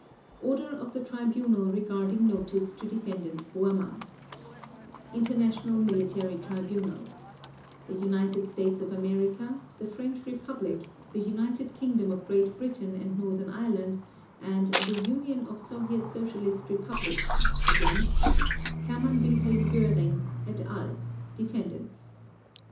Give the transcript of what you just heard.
ORDER OF THE TRIBUNAL REGARDING NOTICE TO DEFENDANT BORMANN INTERNATIONAL MILITARY TRIBUNAL THE UNITED STATES OF AMERICA, THE FRENCH REPUBLIC, THE UNITED KINGDOM OF GREAT BRITAIN AND NORTHERN IRELAND, and THE UNION OF SOVIET SOCIALIST REPUBLICS — against — HERMANN WILHELM GÖRING, et al., Defendants.